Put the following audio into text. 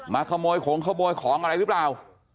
มาขโมยของของอะไรรึเปล่า